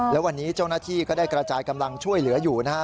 และวันนี้เจ้าหน้าที่ก็ได้กระจายกำลังช่วยเหลืออยู่นะฮะ